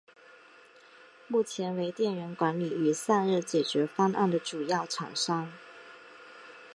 目前为电源管理与散热解决方案的主要厂商。